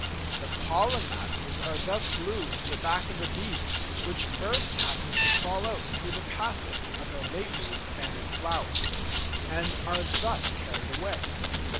The pollen masses are thus glued to the back of the bee which first happens to crawl out through the passage of a lately expanded flower, and are thus carried away.